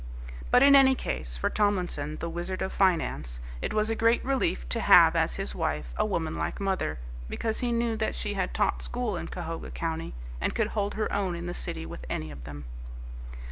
But in any case, for Tomlinson, the Wizard of Finance, it was a great relief to have as his wife a woman like mother, because he knew that she had taught school in Cahoga County and could hold her own in the city with any of them.